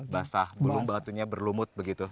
basah gulung batunya berlumut begitu